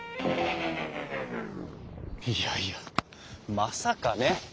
いやいやまさかね。